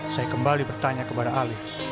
saya kembali bertanya kepada ali